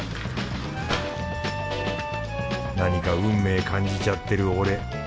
何か運命感じちゃってる俺。